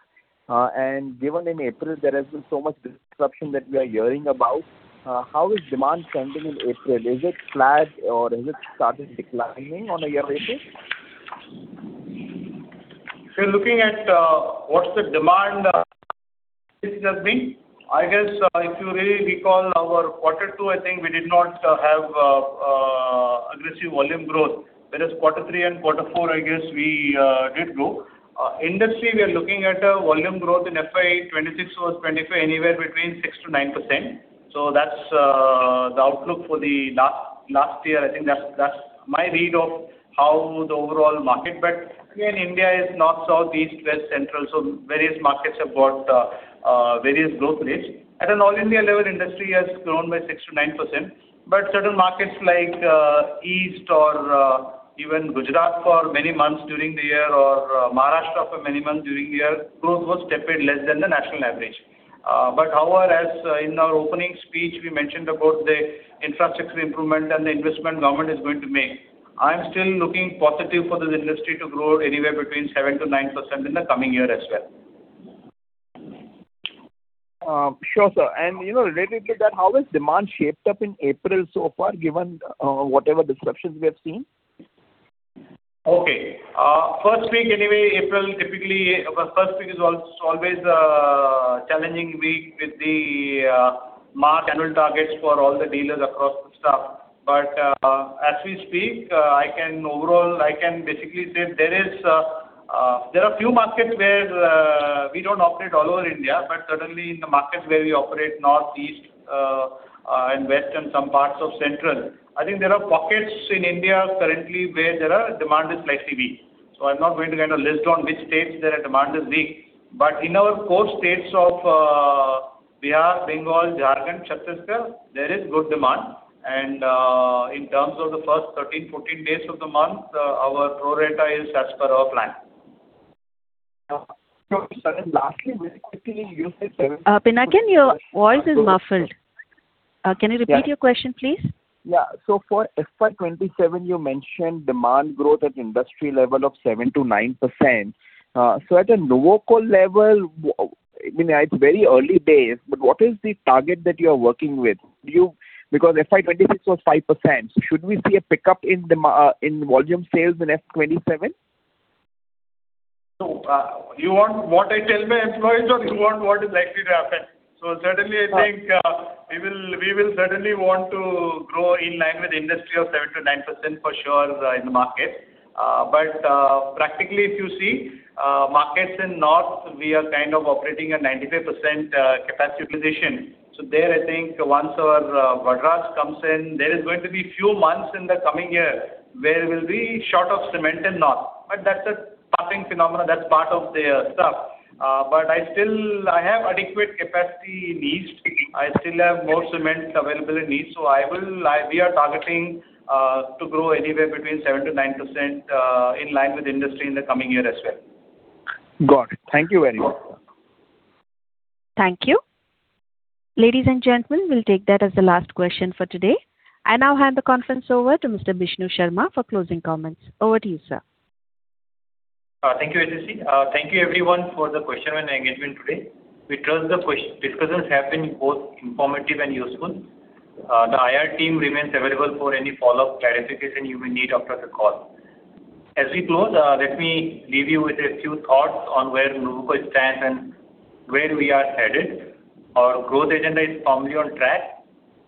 Given in April, there has been so much disruption that we are hearing about, how is demand trending in April? Is it flat or is it starting declining on a year-over-year? If you're looking at what's the demand has been, I guess if you really recall our Q2, I think we did not have aggressive volume growth. Whereas Q3 and Q4, I guess we did grow. Industry, we are looking at a volume growth in FY 2026 or 2025, anywhere between 6%-9%. That's the outlook for the last year. I think that's my read of how the overall market, but again, India is north, south, east, west, central. Various markets have got various growth rates. At an all-India level, industry has grown by 6%-9%. Certain markets like East or even Gujarat for many months during the year, or Maharashtra for many months during the year, growth was tepid, less than the national average. However, as in our opening speech, we mentioned about the infrastructure improvement and the investment government is going to make. I'm still looking positive for this industry to grow anywhere between 7%-9% in the coming year as well. Sure, sir. Related to that, how has demand shaped up in April so far, given whatever disruptions we have seen? Okay. First week, anyway, April, typically, first week is always a challenging week with the March annual targets for all the dealers across the staff. As we speak, overall, I can basically say there are few markets where we don't operate all over India, but certainly in the markets where we operate North, East, and West, and some parts of Central, I think there are pockets in India currently where there are demand is slightly weak. I'm not going to kind of list on which states there are demand is weak. In our core states of Bihar, Bengal, Jharkhand, Chhattisgarh, there is good demand. In terms of the first 13, 14 days of the month, our pro rata is as per our plan. Sure, sir. Lastly, very quickly. Pinakin, your voice is muffled. Can you repeat your question, please? Yeah. For FY 2027, you mentioned demand growth at industry level of 7%-9%. At a Nuvoco level, I mean, it's very early days, but what is the target that you are working with? Because FY 2026 was 5%. Should we see a pickup in volume sales in FY 2027? You want what I tell my employees or you want what is likely to happen? Certainly I think, we will certainly want to grow in line with the industry of 7%-9% for sure in the market. Practically if you see, markets in North, we are kind of operating at 95% capacity utilization. There, I think once our Vadraj comes in, there is going to be few months in the coming year where we'll be short of cement in North. That's a staffing phenomenon, that's part of their stuff. I have adequate capacity in East. I still have more cement available in East, so we are targeting to grow anywhere between 7%-9% in line with industry in the coming year as well. Got it. Thank you very much. Thank you. Ladies and gentlemen, we'll take that as the last question for today. I now hand the conference over to Mr. Bishnu Sharma for closing comments. Over to you, sir. Thank you, Ashley. Thank you everyone for the question and engagement today. We trust the discussions have been both informative and useful. The IR team remains available for any follow-up clarification you may need after the call. As we close, let me leave you with a few thoughts on where Nuvoco stands and where we are headed. Our growth agenda is firmly on track.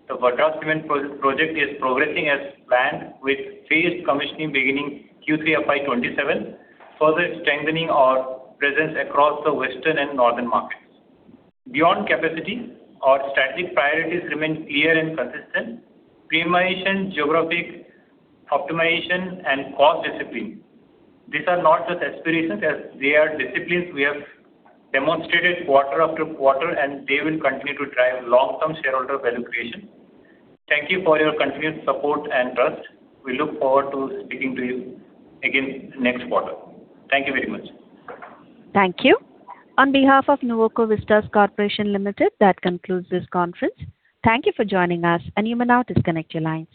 The Vadraj cement project is progressing as planned with phased commissioning beginning Q3 FY 2027, further strengthening our presence across the western and northern markets. Beyond capacity, our strategic priorities remain clear and consistent, premiumization, geographic optimization, and cost discipline. These are not just aspirations, as they are disciplines we have demonstrated quarter after quarter, and they will continue to drive long-term shareholder value creation. Thank you for your continued support and trust. We look forward to speaking to you again next quarter. Thank you very much. Thank you. On behalf of Nuvoco Vistas Corporation Limited, that concludes this conference. Thank you for joining us, and you may now disconnect your lines.